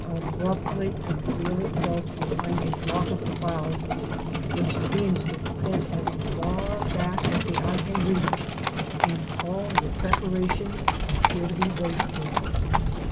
II abruptly conceal itself behind a block of clouds which seems to extend as far back as the eye can reach, and all your preparations appear to be wasted.